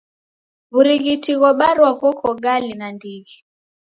W'urighiti ghobarwa ghoko gali nandighi.